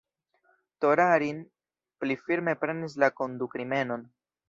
Torarin pli ﬁrme prenis la kondukrimenon.